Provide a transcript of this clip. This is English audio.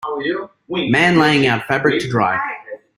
Man laying out fabric to dry.